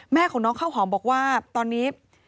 แม่ของน้องข้าวหอมบอกว่าตอนนี้